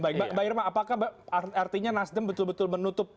baik mbak irma apakah artinya nasdem betul betul menutup